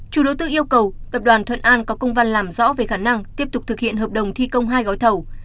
chủ đầu tư yêu cầu tập đoàn thuận an có công văn làm rõ về khả năng tiếp tục thực hiện hợp đồng thi công hai gói thầu